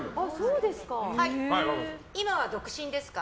今は独身ですか？